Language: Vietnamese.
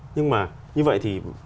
nhưng mà như vậy thì